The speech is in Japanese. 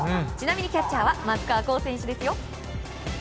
ちなみにキャッチャーは松川虎生選手ですよ。